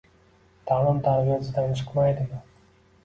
Ta’lim-tarbiya izdan chiqmaydimi?